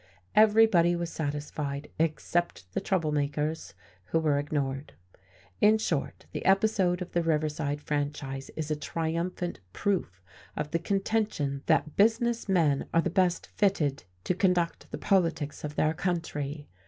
Everybody was satisfied except the trouble makers, who were ignored. In short, the episode of the Riverside Franchise is a triumphant proof of the contention that business men are the best fitted to conduct the politics of their country.